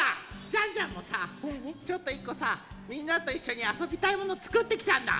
ジャンジャンもさちょっと１こさみんなといっしょにあそびたいものつくってきたんだ！